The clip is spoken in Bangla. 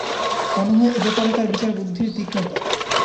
মনে হয় এ ব্যাপারে তার বিচারবুদ্ধির তীক্ষ্ণতা।